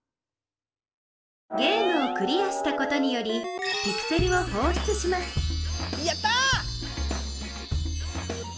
ゲームをクリアしたことによりピクセルをほうしゅつしますやった！